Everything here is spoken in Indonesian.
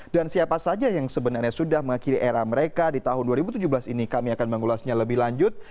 dan siapa saja yang sebenarnya sudah mengakhiri era mereka di tahun dua ribu tujuh belas ini kami akan mengulasnya lebih lanjut